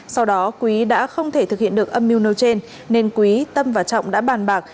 sau đó quý đã không thể thực hiện được âm mưu nêu trên nên quý tâm và trọng đã bàn bạc